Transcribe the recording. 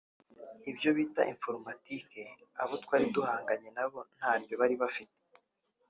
ibyo bita “informatique” abo twari duhanganye nabo ntaryo bari bafite